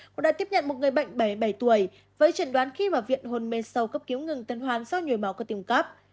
cũng đã tiếp nhận một người bệnh bảy mươi bảy tuổi với truyền đoán khi vào viện hồn mê sâu cấp cứu ngừng tấn hoàn do nhồi máu cơ tiêm cấp